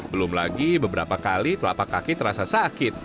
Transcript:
belum lagi beberapa kali telapak kaki terasa sakit